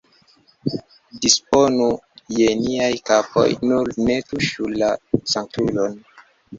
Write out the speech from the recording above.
Disponu je niaj kapoj, nur ne tuŝu la sanktulon!